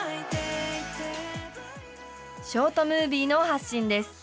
ショートムービーの発信です。